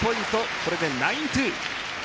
これで９対２。